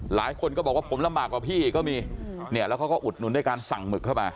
หลายคนก็บอกว่าผมลำบากกว่าพี่อีกก็มีเนี่ยแล้วเขาก็อุดหนุนด้วยการสั่งหมึกเข้ามา